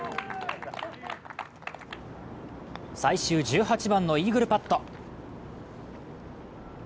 最終１８番のイーグルパット。